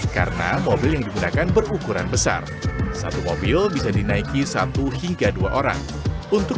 karena mobil yang digunakan berukuran besar satu mobil bisa dinaiki satu hingga dua orang untuk